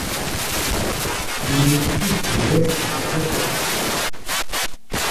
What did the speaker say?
Les murs sud et ouest sont intacts.